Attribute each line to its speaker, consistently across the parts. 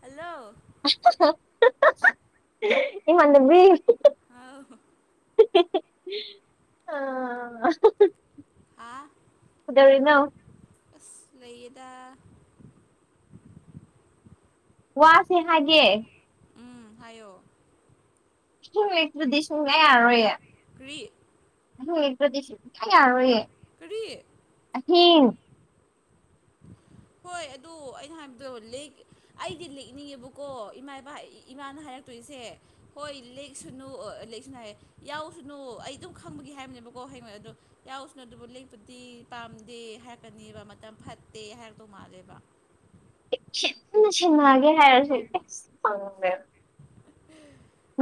Speaker 1: Hello
Speaker 2: ꯏꯃꯥꯟꯅꯕꯤ
Speaker 1: ꯑꯥꯎ ꯍꯣ
Speaker 2: ꯑꯥ
Speaker 1: ꯑꯥ ꯑꯁ ꯂꯩꯌꯦꯗ
Speaker 2: ꯋꯥꯁꯤ ꯍꯥꯏꯒꯦ
Speaker 1: ꯎꯝ ꯍꯥꯏꯌꯣ
Speaker 2: ꯏꯁꯤꯡ ꯂꯩꯦꯛꯇ꯭ꯔꯗꯤ ꯁꯨꯡꯌꯥ ꯌꯥꯔꯣꯏꯌꯦ
Speaker 1: ꯀꯔꯤ
Speaker 2: ꯑꯗꯤꯁꯤ ꯈꯥꯏ ꯌꯥꯔꯣꯏꯌꯦꯦ
Speaker 1: ꯀꯔꯤ
Speaker 2: ꯑꯤꯡ
Speaker 1: ꯍꯣꯏ ꯑꯗꯨ ꯑꯩꯅ ꯍꯥꯏꯕꯗꯣ ꯑꯩꯗꯤ ꯂꯦꯛꯅꯤꯡꯉꯦꯕꯀꯣ ꯏꯃꯥ ꯏꯕ ꯏꯃꯥꯅ ꯍꯥꯏꯔꯛ ꯇꯏꯁꯦ ꯍꯣꯏ ꯂꯦꯛꯁꯅꯨ ꯂꯦꯛꯁꯅꯨ ꯍꯥꯏ ꯌꯥꯎꯁꯅꯨ ꯑꯩ ꯑꯗꯨꯝ ꯈꯪꯕꯒꯤ ꯍꯥꯏꯕꯅꯦꯕꯀꯣ ꯍꯌꯦꯉ ꯑꯗꯨꯗꯣ ꯌꯥꯎꯁꯅꯨ ꯑꯗꯨꯕꯨ ꯂꯦꯛꯄꯗꯤ ꯄꯥꯝꯗꯦ ꯍꯥꯏꯔꯛꯀꯅꯦꯕ ꯃꯇꯝ ꯐꯠꯇꯦ ꯍꯥꯏꯔꯗꯧ ꯃꯥꯜꯂꯦꯕ
Speaker 2: ꯁꯤꯟꯅ ꯁꯤꯟꯅꯒꯦ ꯍꯥꯏꯔꯁꯨ ꯐꯪꯗꯦ
Speaker 1: ꯑ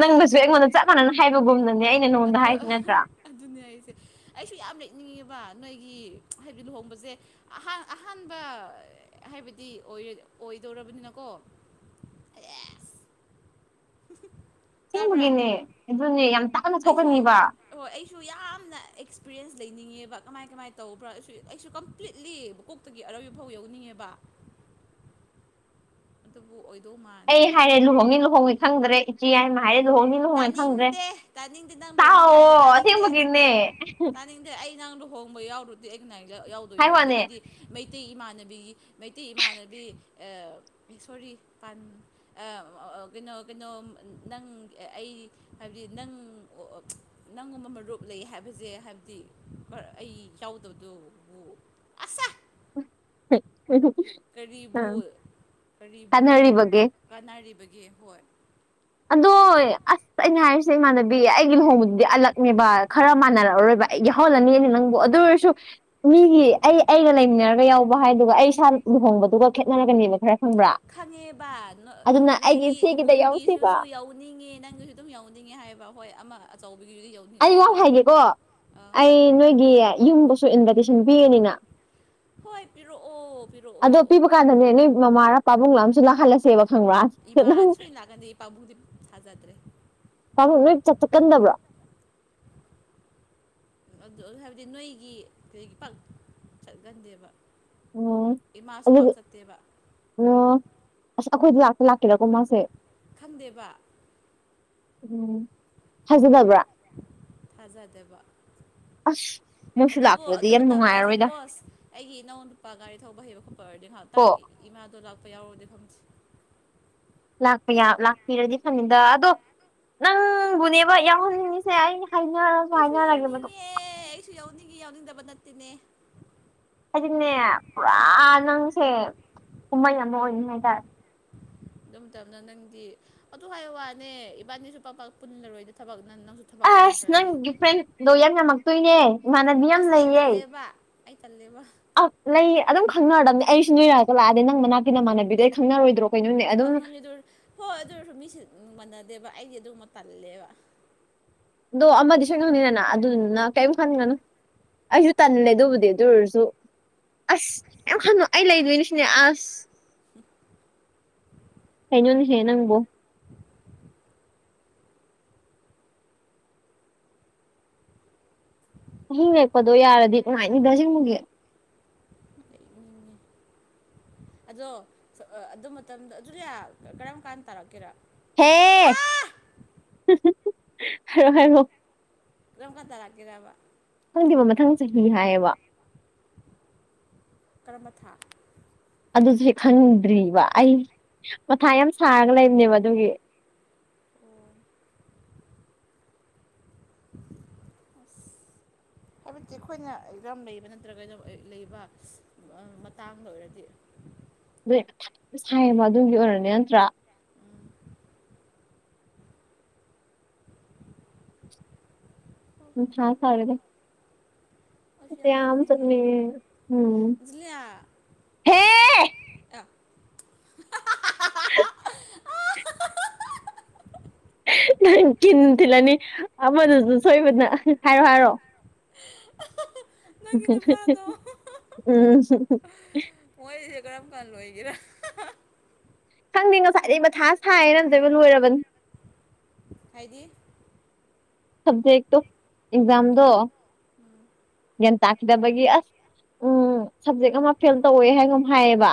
Speaker 2: ꯅꯪꯗꯁꯨ ꯑꯩꯉꯣꯟꯗ ꯆꯞ ꯃꯥꯟꯅꯅ ꯍꯥꯏꯕꯒꯨꯝꯅꯅꯦ ꯑꯩꯅ ꯅꯉꯣꯟꯗ ꯍꯥꯏꯁꯤ
Speaker 1: ꯑꯗꯨ
Speaker 2: ꯅꯠꯇ꯭ꯔꯥ
Speaker 1: ꯑꯗꯨꯅꯦ ꯑꯩꯁꯦ ꯑꯩꯁꯨ ꯌꯥꯝ ꯂꯦꯛꯅꯤꯡꯉꯦꯕ ꯅꯣꯏꯒꯤ ꯍꯥꯏꯗꯤ ꯂꯨꯍꯣꯡꯕꯁꯦ ꯑꯍ ꯑꯍꯥꯟꯕ ꯍꯥꯏꯕꯗꯤ ꯑꯣꯏꯗꯧꯔꯕꯅꯤꯅꯀꯣ ꯑꯦꯁ ꯇꯥꯕ꯭ꯔꯥ
Speaker 2: ꯁꯤꯃꯒꯅꯤ ꯑꯗꯨꯅꯤ
Speaker 1: ꯑꯩꯁꯨ ꯍꯣꯏ ꯑꯩꯁꯨ ꯌꯥꯝꯅ ꯑꯦꯛꯁꯄꯤꯔꯤꯦꯟꯁ ꯂꯩꯅꯤꯡꯉꯦꯕ ꯀꯃꯥꯏ ꯀꯃꯥꯏ ꯇꯧꯕ꯭ꯔꯥ ꯑꯩ ꯑꯩꯁꯨ ꯀꯝꯄ꯭ꯂꯤꯠꯂꯤ ꯇꯨꯒꯤ ꯑꯔꯣꯏꯕ ꯐꯥꯎ ꯌꯎꯅꯤꯡꯉꯦꯕ ꯑꯗꯨꯕꯨ ꯑꯣꯏꯗꯧ
Speaker 2: ꯑꯩ
Speaker 1: ꯃꯥꯟꯗꯦꯕ
Speaker 2: ꯍꯥꯏꯔꯦ ꯂꯨꯍꯣꯡꯅꯤ ꯂꯨꯍꯣꯡꯉꯣꯏ ꯈꯪꯗ꯭ꯔꯦ ꯏꯆꯦ ꯍꯥꯏꯃ ꯍꯥꯏꯔꯦ ꯂꯨꯍꯣꯡꯅꯤ ꯂꯨꯍꯣꯡꯉꯣꯏ ꯈꯪꯗ꯭ꯔꯦ
Speaker 1: ꯇꯥꯅꯤꯡꯗꯦ ꯇꯥꯅꯤꯡꯗꯦ ꯅꯪ ꯂꯨꯍꯣꯛꯉꯣꯏ ꯀꯥꯏꯗ
Speaker 2: ꯇꯥꯛꯑꯣ
Speaker 1: ꯇꯥꯅꯤꯡꯗꯦ
Speaker 2: ꯑꯁꯦꯡꯕꯒꯤꯅꯦ
Speaker 1: ꯈꯪꯗꯦ ꯑꯩ ꯅꯪ ꯂꯨꯍꯣꯡꯕ ꯌꯥꯎꯔꯨꯗꯤ ꯑꯩ ꯀꯅꯥ
Speaker 2: ꯍꯥꯏ
Speaker 1: ꯌꯥꯎꯗꯣꯏꯅꯣ ꯑꯗꯨꯗꯤ
Speaker 2: ꯋꯥꯅꯦ
Speaker 1: ꯑꯩꯗꯤ ꯃꯩꯇꯩ ꯏꯃꯥꯟꯅꯕꯤꯒꯤ ꯃꯩꯇꯩ ꯏꯃꯥꯟꯅꯕꯤ ꯑ ꯄꯥꯟ ꯁꯣꯔꯤ ꯑ ꯀꯩꯅꯣ ꯀꯩꯅꯣ ꯅꯪ ꯑꯩ ꯍꯥꯏꯕꯗꯤ ꯅꯪ ꯑꯣ ꯅꯪꯒꯨꯝꯕ ꯃꯔꯨꯞ ꯂꯩ ꯍꯥꯏꯕꯁꯦ ꯍꯥꯏꯕꯗꯤ ꯑꯩ ꯌꯥꯎꯗꯕꯗꯨꯕꯨ ꯑꯁꯥ ꯀꯔꯤꯕꯨ
Speaker 2: ꯎꯝ
Speaker 1: ꯀꯔꯤꯕꯨ
Speaker 2: ꯇꯥꯟꯅꯔꯤꯕꯒꯦ
Speaker 1: ꯀꯥꯟꯅꯔꯤꯕꯒꯦ ꯍꯣꯏ
Speaker 2: ꯑꯗꯣ ꯑꯁ ꯑꯩꯅ ꯍꯥꯏꯔꯤꯁꯦ ꯏꯃꯥꯟꯅꯕꯤ ꯑꯩꯒꯤ ꯂꯨꯍꯣꯡꯕꯗꯨꯗꯤ ꯑꯜꯂꯛꯅꯦꯕ ꯈꯔ ꯃꯥꯟꯅꯔꯛꯑꯔꯣꯏꯕ ꯌꯥꯎꯍꯜꯂꯅꯤꯅꯦ ꯅꯪꯕꯨ ꯑꯗꯨ ꯑꯣꯏꯔꯁꯨ ꯃꯤꯒꯤ ꯑꯩ ꯑꯩꯒ ꯂꯩꯃꯤꯟꯅꯔꯒ ꯌꯥꯎꯕ ꯍꯥꯏꯗꯨꯒ ꯑꯩ ꯏꯁꯥ ꯂꯨꯍꯣꯡꯕꯗꯨꯒ ꯈꯦꯠꯅꯔꯒꯅꯦꯕ ꯈꯔ ꯈꯪꯕ꯭ꯔꯥ
Speaker 1: ꯈꯪꯉꯦꯕ
Speaker 2: ꯑꯗꯨꯅ ꯑꯩꯒꯤ
Speaker 1: ꯅꯣꯏꯒꯤ
Speaker 2: ꯏꯆꯦꯒꯤꯗ ꯌꯥꯎꯁꯦꯕ
Speaker 1: ꯏꯃꯨꯡꯒꯤꯁꯤꯁꯨ ꯌꯧꯋꯤ ꯅꯤꯡꯅꯤꯡꯉꯦ ꯅꯪꯒꯤꯁꯨ ꯑꯗꯨꯝ ꯌꯧꯅꯤꯡꯉꯦ ꯍꯥꯏꯕ ꯍꯣꯏ ꯑꯃ ꯑꯆꯧꯕꯤꯒꯤꯁꯨ ꯌꯧꯅꯤꯡ
Speaker 2: ꯑꯩ ꯋꯥ ꯑꯃ ꯍꯥꯏꯒꯦꯀꯣ ꯑꯩ ꯅꯣꯏꯒꯤ ꯌꯨꯝꯗꯁꯨ ꯢꯟꯕꯥꯏꯇꯦꯁꯟ ꯄꯤꯔꯅꯤꯅ ꯑꯗꯣ ꯄꯤꯕ ꯀꯥꯟꯗꯅꯦ ꯅꯣꯏ ꯃꯃꯥꯔꯥ ꯄꯥꯕꯨꯡ ꯂ ꯑꯃ ꯁꯨ ꯂꯥꯛꯍꯜꯂꯁꯦꯕ ꯈꯪꯕ꯭ꯔꯥ ꯅꯪ
Speaker 1: ꯏꯃꯥꯗꯤ ꯁꯣꯏꯅ ꯂꯥꯛꯀꯥꯟꯗꯤ ꯄꯥꯕꯨꯛꯗꯤ ꯊꯥꯖꯗ꯭ꯔꯦ
Speaker 2: ꯄꯥꯕꯨꯛ ꯅꯣꯏ ꯆꯠꯊꯠꯀꯟꯗꯕ꯭ꯔꯥ
Speaker 1: ꯑꯗꯨ ꯑꯗꯨ ꯍꯥꯏꯕꯗꯤ ꯅꯣꯏꯒꯤ ꯀꯔꯤꯒꯤ ꯄꯥꯛ ꯆꯠꯀꯟꯗꯦꯕ
Speaker 2: ꯑꯣ ꯑꯗꯨꯗꯤ ꯑꯣ ꯑꯁ ꯑꯩꯈꯣꯏꯗꯤ ꯂꯥꯛꯇ ꯂꯥꯛꯀꯦꯔꯀꯣ ꯃꯥꯁꯦ
Speaker 1: ꯈꯪꯗꯦꯕ
Speaker 2: ꯎꯝ ꯐꯖꯗꯕ꯭ꯔꯥ
Speaker 1: ꯊꯥꯖꯗꯕ
Speaker 2: ꯑꯁ ꯃꯣꯏꯁꯨ
Speaker 1: ꯑꯗꯨꯕꯨ
Speaker 2: ꯂꯥꯛꯇ꯭ꯔꯗꯤ
Speaker 1: ꯑꯗꯨ
Speaker 2: ꯌꯥꯝ
Speaker 1: ꯃꯇꯝꯗ
Speaker 2: ꯅꯨꯡꯉꯥꯏꯔꯔꯣꯏꯗ
Speaker 1: ꯁꯄꯣꯁ ꯑꯩꯒꯤ ꯏꯅꯧ ꯅꯨꯄꯥ ꯒꯥꯔꯤ ꯊꯧꯕ ꯍꯩꯕ ꯈꯣꯠꯄ ꯑꯣꯏꯔꯗꯤ ꯉꯥꯏꯍꯥꯛꯇꯪ
Speaker 2: ꯀꯣ
Speaker 1: ꯏꯃꯥꯗꯣ ꯂꯥꯛꯄ ꯌꯥꯎꯔꯗꯤ ꯈꯝꯖꯦ
Speaker 2: ꯂꯥꯛꯄ ꯌꯥ ꯂꯥꯛꯄꯤꯔꯗꯤ ꯐꯅꯤꯗ ꯑꯗꯣ ꯅꯪꯕꯨꯅꯦ ꯍꯣꯏ ꯌꯥꯎꯍꯟꯅꯤꯡꯉꯤꯁꯦ ꯑꯩ ꯍꯥꯏꯅꯔꯁꯨ ꯍꯥꯏꯅꯔꯒꯦꯕꯗꯣ
Speaker 1: ꯑꯦ ꯑꯩꯁꯨ ꯌꯥꯎꯅꯤꯡꯏ ꯌꯥꯎꯅꯤꯡꯗꯕ ꯅꯠꯇꯦꯅꯦ
Speaker 2: ꯍꯥꯏꯗꯤꯅꯦ ꯄꯨꯔꯥ ꯅꯪꯁꯦ ꯀꯨꯝꯍꯩ ꯑꯃ ꯑꯣꯏꯅꯤ ꯍꯥꯏꯇꯥꯔꯦ
Speaker 1: ꯑꯗꯨꯝ ꯃꯇꯝꯗ ꯅꯪꯗꯤ ꯑꯗꯨ ꯍꯥꯏ ꯋꯥꯅꯦ ꯏꯕꯥꯅꯤꯁꯨ ꯄꯄꯥꯛ ꯄꯨꯜꯂꯔꯣꯏꯗ ꯊꯕꯛ ꯅꯪ ꯅꯪꯁꯨ ꯊꯕꯛ
Speaker 2: ꯑꯁ
Speaker 1: ꯆꯤꯟꯈ꯭ꯔꯅꯤ
Speaker 2: ꯅꯪꯒꯤ ꯐ꯭ꯔꯦꯟꯗꯣ ꯌꯥꯝ ꯌꯥꯝꯃꯛꯇꯣꯏꯅꯦ ꯏꯃꯥꯟꯅꯕꯤ ꯌꯥꯝ
Speaker 1: ꯑꯁ ꯑꯩ
Speaker 2: ꯂꯩꯌꯦ
Speaker 1: ꯇꯜꯂꯦꯕ ꯑꯩ ꯇꯜꯂꯦꯕ
Speaker 2: ꯑ ꯂꯩ ꯑꯗꯨꯝ ꯈꯪꯅꯔꯗꯕꯅꯤ ꯑꯩꯁꯨ ꯅꯣꯏꯔꯛꯑꯒ ꯂꯥꯛꯑꯗꯤ ꯅꯪ ꯃꯅꯥꯛ ꯅꯃꯥꯟꯅꯕꯤꯗ ꯑꯩ ꯈꯪꯅꯔꯣꯏꯗ꯭ꯔꯣ ꯀꯩꯅꯣꯅꯦ ꯑꯗꯨꯝ
Speaker 1: ꯈꯪꯅꯅꯤꯗꯨ ꯍꯣꯏ ꯑꯗꯨꯔꯁꯨ ꯃꯤꯁꯦ ꯃꯥꯟꯅꯗꯦꯕ ꯑꯩꯗꯤ ꯑꯗꯨꯃ ꯇꯜꯂꯦꯕ
Speaker 2: ꯑꯗꯣ ꯑꯃꯗꯤ ꯁꯣꯏꯉꯪꯅꯤꯗꯅ ꯑꯗꯨꯗꯨꯅ ꯀꯔꯤꯝ ꯈꯟꯒꯅꯨ ꯑꯩꯁꯨ ꯇꯟꯂꯦ ꯑꯗꯨꯕꯨꯗꯤ ꯑꯗꯨ ꯑꯣꯏꯔꯁꯨ ꯑꯁ ꯀꯤꯝ ꯈꯟꯅꯨ ꯑꯩ ꯂꯩꯗꯣꯏ ꯁꯤꯅꯦ ꯑꯁ ꯀꯩꯅꯣꯅꯦ ꯍꯦ ꯅꯪꯕꯨ ꯑꯍꯤꯡ ꯂꯦꯛꯄꯗꯣ ꯌꯥꯔꯗꯤ ꯅꯨꯡꯉꯥꯏꯅꯤꯗ ꯑꯁꯦꯡꯕꯒꯤ
Speaker 1: ꯑꯩ ꯃꯤꯅꯤ ꯑꯗꯣ ꯑꯗꯨ ꯃꯇꯝꯗ [unintelligible] ꯀꯔꯝ ꯀꯥꯟ ꯇꯥꯔꯛꯀꯦꯔꯥ
Speaker 2: ꯍꯦ ꯍꯥꯏꯔꯣ ꯍꯥꯏꯔꯣ
Speaker 1: ꯀꯔꯝ ꯀꯥꯟ ꯇ ꯂꯥꯛꯀꯦꯔꯕ
Speaker 2: ꯈꯪꯗꯦꯕ ꯃꯊꯪ ꯆꯍꯤ ꯍꯥꯏꯌꯦꯕ
Speaker 1: ꯀꯔꯝꯕ ꯊꯥ
Speaker 2: ꯑꯗꯨꯁꯨ ꯈꯪꯗ꯭ꯔꯤꯕ ꯑꯩ ꯃꯊꯥ ꯌꯥꯝ ꯁꯥꯔꯒ ꯂꯩꯕꯅꯦꯕ ꯑꯗꯨꯒꯤ꯫
Speaker 1: ꯑꯣ ꯑꯁ
Speaker 2: [inaudible]
Speaker 1: ꯍꯥꯏꯕꯗꯤ ꯑꯩꯈꯣꯏꯅ ꯑꯦꯛꯖꯥꯝ ꯂꯩꯕ ꯅꯠꯇ꯭ꯔꯒꯅ ꯂꯩꯕ ꯃꯇꯥꯡꯗ ꯑꯣꯏꯔꯗꯤ,
Speaker 2: ꯌꯥꯝ ꯁꯥꯏꯌꯦꯕ ꯑꯗꯨꯒꯤ ꯑꯣꯏꯔꯅꯦ ꯅꯠꯇ꯭ꯔꯥ?
Speaker 1: [inaudible] [inaudible]
Speaker 2: ꯅꯨꯡꯁꯥ
Speaker 1: ꯈꯪꯗ꯭ꯔꯦꯗ
Speaker 2: ꯁꯥꯔꯦꯍꯦ꯫
Speaker 1: ꯑꯩꯁꯨ ꯌꯥꯝ ꯌꯥꯎꯅꯤꯡꯉꯦ꯫
Speaker 2: ꯆꯠꯅꯤꯡꯉꯦ ꯎꯝ
Speaker 1: ꯖꯨꯂꯤꯌꯥ
Speaker 2: ꯍꯦ [inaudible] ꯅꯪ ꯀꯤꯟ ꯊꯤꯜꯂꯅꯤ ꯑꯃꯗꯨꯁꯨ ꯁꯣꯏꯕꯅ ꯍꯥꯏꯔꯣ ꯍꯥꯏꯔꯣ꯫
Speaker 1: ꯅꯪꯒꯤ ꯅꯨꯄꯥꯗꯣ
Speaker 2: ꯎꯝ꯫
Speaker 1: ꯃꯣꯏꯁꯦ ꯀꯔꯝ ꯀꯥꯟ ꯂꯣꯏꯒꯦꯔꯥ?
Speaker 2: ꯈꯪꯗꯦ ꯉꯁꯥꯏꯗꯩ ꯃꯊꯥ ꯁꯥꯏꯌꯦꯅ ꯑꯝꯇꯣꯏꯕ ꯂꯣꯏꯔꯕꯅꯤ꯫
Speaker 1: ꯍꯥꯏꯗꯤ?
Speaker 2: ꯁꯕꯖꯦꯛꯇꯣ ꯑꯦꯛꯖꯥꯝꯗꯣ꯫ ꯒ꯭ꯌꯥꯟ ꯇꯥꯈꯤꯗꯕꯒꯤ ꯑꯁ ꯎꯝ ꯁꯕꯖꯦꯛ ꯑꯃ ꯐꯦꯜ ꯇꯧꯋꯦ ꯍꯥꯏꯅꯒꯨꯝ ꯍꯥꯏꯌꯦꯕ꯫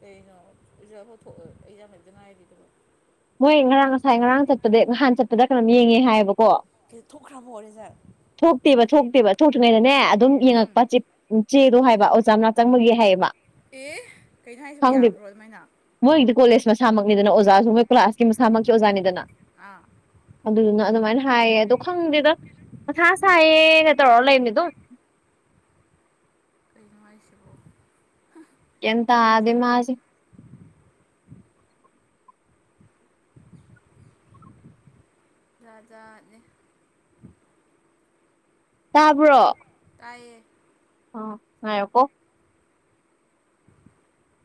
Speaker 1: ꯀꯩꯅꯣ? ꯑꯦꯛꯖꯝ [unintelligible] ꯉꯥꯏꯔꯤꯗꯨꯕꯣ꯫
Speaker 2: ꯃꯣꯏ ꯉꯔꯥꯡ ꯉꯁꯥꯏ ꯉꯔꯥꯡ ꯆꯠꯄꯗ ꯅꯍꯥꯟ ꯆꯠꯄꯗ ꯀꯩꯅꯣꯝ ꯌꯦꯡꯉꯦ ꯍꯥꯏꯌꯦꯕꯀꯣ꯫
Speaker 1: ꯊꯣꯛꯈ꯭ꯔꯕꯣ ꯔꯤꯖꯜ
Speaker 2: ꯊꯣꯛꯇꯦꯕ ꯊꯣꯛꯇꯦꯕ ꯊꯣꯛꯇ꯭ꯔꯤꯉꯩꯗꯅꯦ ꯑꯗꯨꯝ
Speaker 1: ꯎꯝ
Speaker 2: ꯌꯦꯡꯉꯛꯄ ꯆꯤꯞ ꯆꯦꯗꯣ ꯍꯥꯏꯕ ꯑꯣꯖꯥꯝ ꯃꯅꯥꯛ ꯆꯪꯕꯒꯤ ꯍꯥꯏꯌꯦꯕ꯫
Speaker 1: ꯑꯦ ꯀꯩꯩꯅꯣ ꯍꯥꯏꯁꯤꯕ
Speaker 2: ꯈꯪꯗꯦꯕ
Speaker 1: ꯌꯥꯕ꯭ꯔꯣ ꯑꯗꯨꯃꯥꯏꯅ?
Speaker 2: ꯃꯣꯏꯒꯤꯗꯤ ꯀꯣꯂꯦꯖ ꯃꯁꯥꯃꯛꯅꯤꯗꯅ ꯑꯣꯖꯥꯁꯨ ꯃꯣꯏ ꯀ꯭ꯂꯥꯁ ꯃꯁꯥꯃꯛꯀꯤ ꯑꯣꯖꯥꯅꯤꯗꯅ꯫
Speaker 1: ꯑꯥ
Speaker 2: ꯑꯗꯨꯗꯨꯅ ꯑꯗꯨꯃꯥꯏꯅ ꯍꯥꯏꯌꯦ ꯑꯗꯣ ꯈꯪꯗꯦꯗ꯫ ꯃꯊꯥ ꯁꯥꯏꯌꯦ ꯅ ꯇꯧꯔ ꯂꯩꯕꯅꯦ ꯑꯗꯨꯝ꯫
Speaker 1: ꯀꯩꯅꯣ ꯍꯥꯏꯁꯤꯕꯣ?
Speaker 2: ꯒ꯭ꯤꯌꯟ ꯇꯥꯗꯦ ꯃꯥꯁꯦ꯫
Speaker 1: [unintelligible] ꯖꯥꯠ ꯖꯥꯠꯅꯦ꯫
Speaker 2: ꯇꯥꯕ꯭ꯔꯣ?
Speaker 1: ꯇꯥꯏꯌꯦ꯫
Speaker 2: ꯑꯣ ꯉꯥꯏꯌꯣꯀꯣ꯫
Speaker 1: [unintelligible]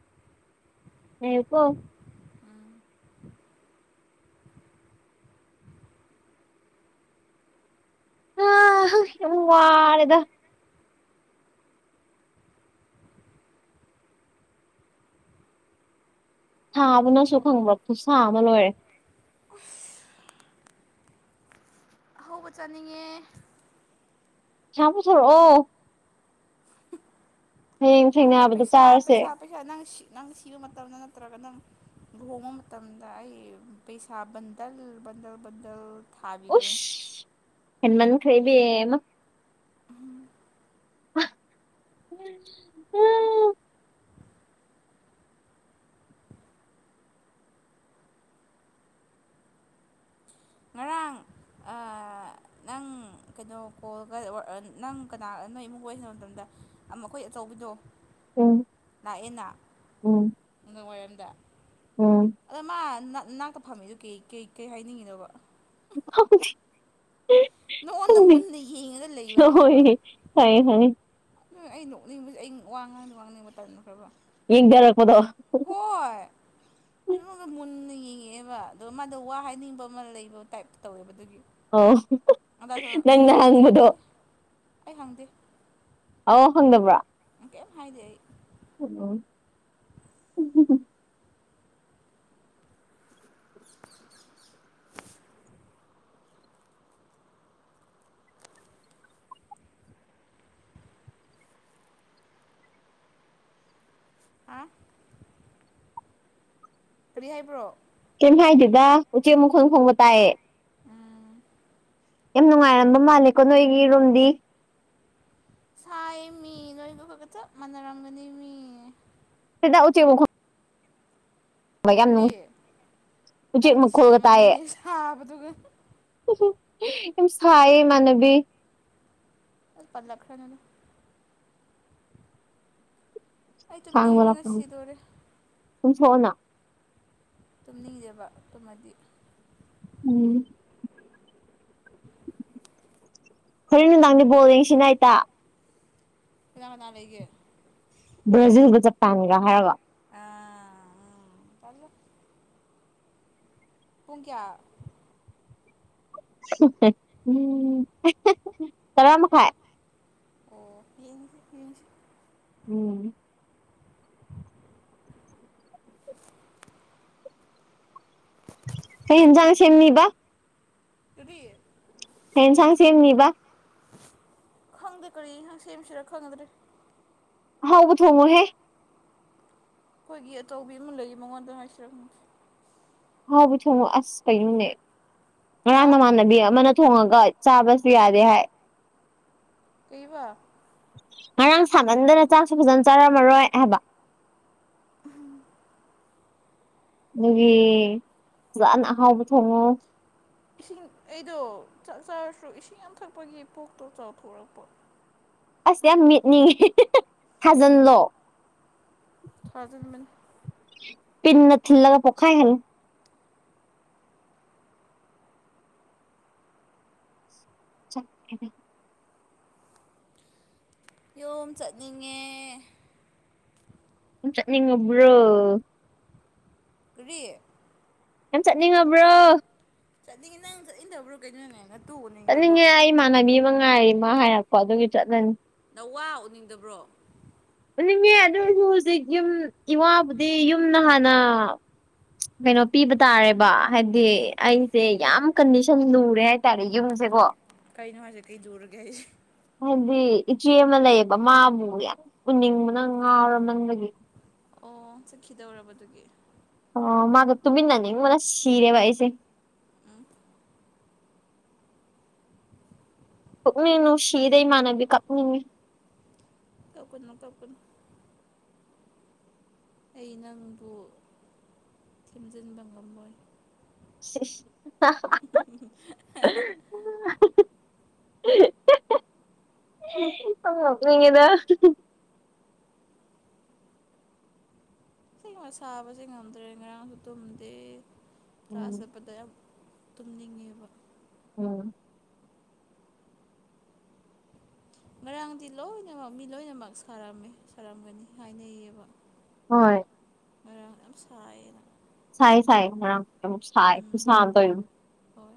Speaker 2: ꯉꯥꯏꯌꯣꯀꯣ꯫
Speaker 1: ꯎꯝ
Speaker 2: ꯌꯥꯝ ꯋꯥꯔꯦꯗ꯫ ꯁꯥꯥꯕꯅꯁꯨ ꯈꯪꯕ꯭ꯔ, ꯈꯨꯁꯥ ꯑꯃ ꯂꯣꯏꯔꯦ꯫
Speaker 1: ꯑꯍꯥꯎꯕ ꯆꯥꯅꯤꯡꯉꯦ꯫
Speaker 2: ꯄꯩꯁꯥ ꯄꯨꯊꯣꯔꯛꯑꯣ꯫ ꯍꯌꯦꯡ ꯊꯦꯡꯅꯕꯗ
Speaker 1: ꯄꯩꯁꯥ
Speaker 2: ꯆꯥꯔꯁꯦ
Speaker 1: ꯄꯩꯁꯥ ꯄꯩꯁꯥ ꯅꯪ ꯅꯪ ꯁꯤꯕ ꯃꯇꯝꯗ ꯅꯠꯇ꯭ꯔꯒ ꯅꯪ ꯂꯨꯍꯣꯡꯕ ꯃꯇꯝꯗ ꯑꯩ ꯄꯩꯁꯥ ꯕꯟꯗꯜ ꯕꯟꯗꯜ ꯕꯟꯗꯜ ꯊꯥꯕꯤꯗꯣꯏꯅꯦ
Speaker 2: ꯎꯁ ꯍꯦꯟꯃꯟꯈ꯭ꯔꯦ ꯢꯕꯦꯝꯃ꯫ [unintelligible]
Speaker 1: ꯉꯔꯥꯡ ꯑꯥ ꯅꯪ ꯀꯩꯅꯣ ꯀꯣꯜꯒ ꯅꯪ ꯀꯅꯥ ꯅꯣꯏ ꯏꯃꯨꯡ ꯁꯟꯅꯕ ꯃꯇꯝꯗ ꯑ ꯃꯈꯣꯏ ꯑꯆꯧꯕꯤꯗꯣ
Speaker 2: ꯎꯝ
Speaker 1: ꯂꯥꯛꯑꯦꯅ
Speaker 2: ꯎꯝ
Speaker 1: ꯅꯨꯡꯗꯥꯡ ꯋꯥꯏꯔꯝꯗ
Speaker 2: ꯎꯝ
Speaker 1: ꯑꯗꯣ ꯃꯥ ꯅꯅꯥꯛꯇ ꯐꯝꯃꯤꯗꯨ ꯀꯩ ꯀꯩ ꯍꯥꯏꯅꯤꯡꯉꯤꯅꯣꯕ
Speaker 2: ꯈꯪꯗꯦ
Speaker 1: ꯅꯪꯉꯣꯟꯗ ꯃꯨꯟꯅ ꯌꯦꯡꯉꯒ ꯂꯩꯕꯗꯣ ꯍꯥꯏꯕ
Speaker 2: ꯀꯩ ꯍꯥꯏꯅꯤ
Speaker 1: ꯅꯣꯏ ꯑꯩ ꯅꯣꯛꯅꯤꯡꯕꯁꯦ ꯑꯩ ꯋꯥ ꯉꯥꯡꯗꯤ ꯉꯥꯡꯅꯤꯡꯕ ꯇꯟꯈ꯭ꯔꯕ
Speaker 2: ꯌꯦ ꯗꯔꯛꯄꯗꯣ
Speaker 1: ꯍꯣꯏ ꯑꯗꯨꯒ ꯃꯨꯟꯅ ꯌꯦꯡꯉꯛꯑꯦꯕ ꯑꯗꯣ ꯃꯥꯗꯣ ꯋꯥ ꯍꯥꯏꯅꯤꯡꯕ ꯑꯃ ꯂꯩꯕ ꯇꯥꯏꯞ ꯇꯧꯋꯦꯕ ꯑꯗꯨꯒꯤ
Speaker 2: ꯑꯧ
Speaker 1: ꯑꯗ ꯁꯨꯝ
Speaker 2: ꯅꯪꯅ
Speaker 1: ꯑꯩ
Speaker 2: ꯍꯪꯕꯗꯣ
Speaker 1: ꯆꯠꯂꯒꯦ ꯑꯩ ꯍꯪꯗꯦ
Speaker 2: ꯑꯥꯎ ꯍꯪꯗꯕ꯭ꯔꯣ
Speaker 1: ꯀꯩꯏꯝ ꯍꯥꯏꯗꯦ ꯑꯩ
Speaker 2: ꯎꯝ
Speaker 1: [unintelligible] ꯍꯥꯥ ꯀꯔꯤ ꯍꯥꯏꯕ꯭ꯔꯣ
Speaker 2: ꯀꯩꯏꯝ ꯍꯥꯏꯗꯦꯗ ꯎꯆꯦꯛ ꯃꯈꯣꯡ ꯈꯣꯡꯕ ꯇꯥꯏꯌꯦ
Speaker 1: ꯎꯝ
Speaker 2: ꯌꯥꯝ ꯅꯨꯡꯉꯥꯏꯔꯝꯕ ꯃꯥꯜꯂꯤꯀꯣ ꯅꯣꯏꯒꯤ ꯔꯨꯝꯗꯤ
Speaker 1: ꯁꯥꯏ ꯃꯤ ꯅꯣꯏꯒ ꯈꯣꯏꯒ ꯆꯞ ꯃꯥꯟꯅꯔꯝꯒꯅꯤ ꯃꯤ
Speaker 2: ꯅꯣꯏꯗ ꯎꯆꯦꯛ ꯃꯈꯣꯜ
Speaker 1: ꯀꯔꯤ
Speaker 2: ꯎꯆꯦꯛ
Speaker 1: ꯅꯪꯗꯤ
Speaker 2: ꯃꯈꯣꯜꯒ ꯇꯥꯏꯌꯦ
Speaker 1: ꯁꯤꯔꯝꯃꯅꯤꯅꯦ ꯁꯥꯕꯗꯨꯒ
Speaker 2: ꯌꯥꯝ ꯁꯥꯏꯌꯦ ꯏꯃꯟꯅꯕꯤ
Speaker 1: ꯄꯜꯂꯈ꯭ꯔꯅꯨꯗ ꯑꯩ
Speaker 2: ꯈꯥꯡꯕ
Speaker 1: ꯇꯨꯝꯅꯤꯡꯕꯅ
Speaker 2: ꯂꯥꯛꯄꯅꯤ
Speaker 1: ꯁꯤꯗꯣꯔꯦ
Speaker 2: ꯇꯨꯝꯊꯣꯛꯑꯣꯅ
Speaker 1: ꯇꯨꯝꯅꯤꯡꯗꯦꯕ ꯇꯨꯝꯃꯗꯤ
Speaker 2: ꯎꯝ
Speaker 1: [inaudible]
Speaker 2: ꯍꯣꯔꯦꯟ ꯅꯨꯡꯗꯥꯡꯗꯤ ꯕꯣꯜ ꯌꯦꯡꯁꯤꯅ ꯏꯇꯥ
Speaker 1: ꯀꯅꯥ ꯀꯅꯥ ꯂꯩꯒꯦ
Speaker 2: ꯕ꯭ꯔꯥꯖꯤꯜꯒ ꯖꯄꯥꯟꯒ ꯍꯥꯏꯒ
Speaker 1: ꯑꯥ ꯎꯝ ꯇꯜꯂꯦ ꯄꯨꯡ ꯀꯌꯥ
Speaker 2: ꯎꯝ ꯇꯔꯥ ꯃꯈꯥꯏ
Speaker 1: ꯑꯣ ꯌꯦꯡꯁꯦ ꯌꯦꯡꯁꯦ
Speaker 2: ꯎꯝ ꯀꯩ ꯍꯦꯟꯖꯥꯡ ꯁꯦꯝꯃꯤꯕ
Speaker 1: ꯀꯔꯤ
Speaker 2: ꯀꯩ ꯍꯦꯟꯁꯥꯡ ꯁꯦꯝꯅꯤꯕ
Speaker 1: ꯈꯪꯗꯦ ꯀꯔꯤ ꯁꯦꯝꯁꯤꯔ ꯈꯪꯗ꯭ꯔꯦ
Speaker 2: ꯑꯍꯥꯎꯕ ꯊꯣꯡꯉꯣꯍꯦ
Speaker 1: ꯑꯩꯈꯣꯏꯒꯤ ꯑꯆꯧꯕꯤ ꯑꯃ ꯂꯩꯌꯦ ꯃꯉꯣꯟꯗ ꯉꯥꯏꯁꯤꯔ ꯈꯪꯗꯦ
Speaker 2: ꯍꯥꯎꯕꯤ ꯊꯣꯡꯉꯣ ꯑꯁ ꯀꯩꯅꯣꯅꯦ
Speaker 1: ꯍꯥ
Speaker 2: ꯉꯔꯥꯡ ꯅꯃꯥꯟꯅꯕꯤ ꯑꯃꯅ ꯊꯣꯡꯉꯒ ꯆꯥꯕꯁꯨ ꯌꯥꯗꯦ ꯍꯥꯏ
Speaker 1: ꯀꯩꯕ
Speaker 2: ꯉꯔꯥꯡ ꯁꯥꯒꯟꯗꯅ ꯆꯥꯛꯁꯨ ꯐꯖꯅ ꯆꯥꯔꯝꯃꯔꯣꯏ ꯍꯥꯏꯕ
Speaker 1: [inaudible]
Speaker 2: ꯑꯗꯨꯒꯤ ꯐꯖꯥꯅ ꯑꯍꯥꯎꯕ ꯊꯣꯡꯉꯣ
Speaker 1: ꯏꯁꯤꯡ ꯑꯩꯗꯣ ꯆꯥꯛ ꯆꯥꯔꯁꯨ ꯏꯁꯤꯡ ꯌꯥꯝ ꯊꯛꯄꯒꯤ ꯄꯣꯛꯇꯣ ꯆꯥꯎꯊꯣꯔꯛꯄ
Speaker 2: ꯑꯁ ꯌꯥꯝ ꯃꯦꯠꯅꯤꯡꯉꯤ ꯊꯥꯖꯜꯂꯣ
Speaker 1: ꯊꯥꯖꯟꯕꯅꯤ
Speaker 2: ꯄꯤꯟꯅ ꯊꯤꯜꯂꯒ ꯄꯣꯈꯥꯏ ꯍꯜꯂꯣ [inaudible]
Speaker 1: ꯌꯣꯝ ꯆꯠꯅꯤꯡꯉꯦ
Speaker 2: ꯑꯝ ꯆꯠꯅꯤꯡꯉꯕ꯭ꯔꯣ
Speaker 1: ꯀꯔꯤ
Speaker 2: ꯌꯥꯝ ꯆꯠꯅꯤꯡꯉꯕ꯭ꯔꯣ
Speaker 1: ꯆꯠꯅꯤꯡꯉꯦ ꯅꯪ ꯆꯠꯅꯤꯡꯗꯕ꯭ꯔꯣ ꯀꯩꯗꯅꯣꯅꯦ ꯅꯠ
Speaker 2: ꯆꯠꯅꯤꯡꯉꯦ ꯑꯩ ꯏꯃꯥꯟꯅꯕꯤ ꯑꯃ ꯉꯥꯏꯔꯤ ꯃꯥ ꯍꯥꯏꯔꯛꯄ ꯑꯗꯨꯒꯤ ꯆꯠꯂꯅꯤ
Speaker 1: ꯅꯋꯥ ꯎꯅꯤꯡꯗꯕ꯭ꯔꯣ
Speaker 2: ꯎꯅꯤꯡꯉꯦ ꯑꯗꯨꯏꯔꯁꯨ ꯍꯧꯖꯤꯛ ꯌꯨꯝ ꯏꯋꯥꯕꯨꯗꯤ ꯌꯨꯝꯅ ꯍꯥꯟꯅ ꯀꯩꯅꯣ ꯄꯤꯕ ꯇꯥꯔꯦꯕ ꯍꯥꯏꯗꯤ ꯑꯩꯖꯦ ꯌꯥꯝ ꯀꯟꯗꯤꯁꯟ ꯂꯨꯔꯦ ꯍꯥꯏ ꯇꯔꯦ ꯌꯨꯝꯖꯦꯒꯣ
Speaker 1: ꯀꯩꯅꯣ ꯍꯥꯏꯖꯦ ꯀꯩ ꯂꯨꯔꯒꯦ ꯍꯥꯏꯖꯦ
Speaker 2: ꯍꯥꯏꯗꯤ ꯏꯆꯦ ꯑꯃ ꯂꯩꯌꯦꯕ ꯃꯥꯕꯨ ꯌꯥꯝ ꯎꯅꯤꯡꯕꯅ ꯉꯥꯎꯔꯃꯟꯕꯒꯤ
Speaker 1: ꯑꯣ ꯆꯠꯈꯤꯗꯧꯔꯕꯗꯨꯒꯤ
Speaker 2: ꯑꯣ ꯃꯥꯒ ꯇꯨꯃꯤꯟꯅꯅꯤꯡꯕꯅ ꯁꯤꯔꯦꯕ ꯑꯩꯁꯦ
Speaker 1: ꯎꯝ
Speaker 2: ꯄꯨꯛꯅꯤꯡ ꯅꯨꯡꯁꯤꯌꯦꯗ ꯏꯃꯥꯟꯅꯕꯤ ꯀꯞꯅꯤꯡꯉꯦ
Speaker 1: ꯀꯞꯀꯅꯣ ꯀꯞꯀꯅꯣ ꯑꯩ ꯅꯪꯕꯨ ꯐꯨꯝꯖꯤꯟꯕ ꯉꯝꯃꯣꯏ
Speaker 2: [unintelligible] [unintelligible]
Speaker 1: ꯁꯦꯡꯕ ꯁꯥꯕꯖꯦ ꯉꯝꯗ꯭ꯔꯦ ꯉꯔꯥꯡꯖꯨ ꯇꯨꯝꯗꯦ ꯀ꯭ꯂꯥꯁ
Speaker 2: ꯎꯝ
Speaker 1: ꯆꯠꯄꯗ ꯌꯥꯝ ꯇꯨꯝꯅꯤꯡꯉꯦꯕ
Speaker 2: ꯎꯝ
Speaker 1: ꯉꯔꯥꯡꯗꯤ ꯂꯣꯏꯅꯃꯛ ꯃꯤ ꯂꯣꯏꯅꯃꯛ ꯁꯥꯔꯝꯃꯦ ꯁꯥꯔꯝꯒꯅꯤ ꯍꯥꯏꯅꯩꯌꯦꯕ
Speaker 2: ꯍꯣꯏ
Speaker 1: ꯉꯔꯥꯡ ꯌꯝ ꯁꯥꯏꯌꯦꯅ
Speaker 2: ꯁꯥꯏꯌꯦ ꯁꯥꯏꯌꯦ ꯉꯔꯥꯡ ꯌꯝ ꯁꯥꯏ ꯈꯨꯁꯥ
Speaker 1: ꯎꯝ
Speaker 2: ꯑꯝ ꯇꯧꯋꯦꯝ
Speaker 1: ꯍꯣꯏ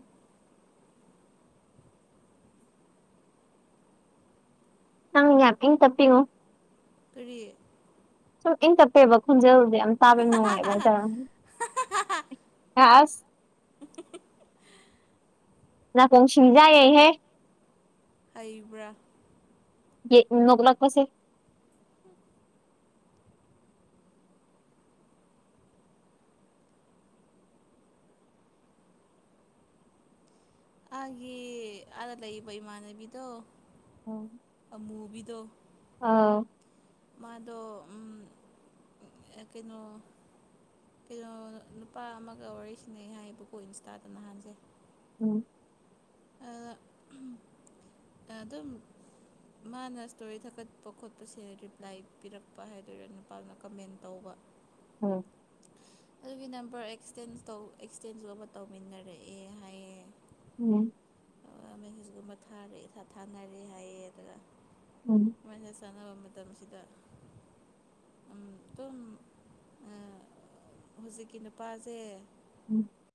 Speaker 2: ꯅꯪ ꯌꯥꯝ ꯏꯪ ꯇꯞꯄꯤꯉꯣ
Speaker 1: ꯀꯔꯤ
Speaker 2: ꯁꯨꯝ ꯏꯪ ꯇꯞꯄꯦꯕ ꯈꯣꯟꯖꯦꯜꯖꯦ ꯌꯥꯝ ꯇꯥꯕ ꯌꯥꯝ ꯅꯨꯡꯉꯥꯏꯑꯕ ꯍꯥꯏꯇꯥꯔꯦꯝ ꯑ ꯑꯁ ꯅꯥꯀꯣꯡꯁꯤꯡꯖꯥ ꯌꯩꯍꯦ
Speaker 1: ꯍꯩꯕ꯭ꯔꯥ
Speaker 2: ꯌꯦ ꯅꯣꯛꯂꯛꯄꯁꯦ
Speaker 1: ꯑꯥꯒꯤ ꯑꯥꯗ ꯂꯩꯕ ꯏꯃꯥꯟꯅꯕꯤꯗꯣ
Speaker 2: [inaudible]
Speaker 1: ꯑꯃꯨꯕꯤꯗꯣ
Speaker 2: ꯑꯥ
Speaker 1: ꯃꯥꯗꯣ ꯎꯝ ꯑ ꯀꯩꯅꯣ ꯀꯩꯅꯣ ꯅꯨꯄꯥ ꯑꯃꯒ ꯋꯥꯔꯤ ꯁꯤꯟꯅꯩ ꯍꯥꯏꯌꯦꯕꯀꯣ ꯏꯟꯁꯇꯥꯗ ꯅꯍꯥꯟꯖꯦ
Speaker 2: ꯎꯝ
Speaker 1: ꯑꯗ ꯑꯗꯨꯝ ꯃꯥꯅ ꯁ꯭ꯇꯣꯔꯤ ꯊꯥꯒꯠꯄ ꯈꯣꯠꯄꯁꯦ ꯔꯤꯄ꯭ꯂꯥꯏ ꯄꯤꯔꯛꯄ ꯍꯥꯏꯗꯣꯏꯔꯥ ꯅꯨꯄꯥꯗꯨꯅ ꯀꯃꯦꯟ ꯇꯧꯕ꯫
Speaker 2: [unintelligible]
Speaker 1: ꯑꯗꯨꯒꯤ ꯅꯝꯕꯔ ꯑꯦꯛꯁꯇꯦꯟꯁ ꯇꯧ ꯑꯦꯛꯁꯇꯦꯟꯁ ꯇꯧꯃꯤꯟꯅꯔꯛꯑꯦ ꯍꯥꯏꯌꯦ꯫
Speaker 2: [unintelligible]
Speaker 1: ꯃꯦꯁꯦꯖꯀꯨꯝꯕ ꯊꯥꯔꯦ ꯊꯥ ꯊꯥꯅꯔꯦ ꯍꯥꯏꯌꯦ ꯑꯗꯨꯒ
Speaker 2: ꯎꯝ
Speaker 1: ꯃꯦꯁꯦꯖ ꯊꯥꯅꯕ ꯃꯇꯝꯁꯤꯗ ꯎꯝ ꯑꯗꯨꯝ ꯍꯧꯖꯤꯛꯀꯤ ꯅꯨꯄꯥꯁꯦ
Speaker 2: [inaudible]